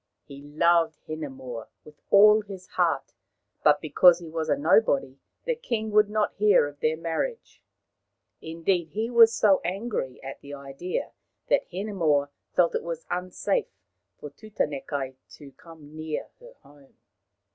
He loved Hinemoa with all his heart, but because he was a nobody the king would not hear of their marriage. Indeed, he was so angry at the idea that Hinemoa felt it was unsafe for Tutanekai to come near her home.